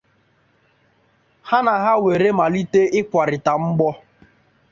ha na ha were malite ịkwarịta mgbọ